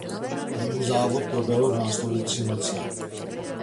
První závod proběhl v následujícím roce.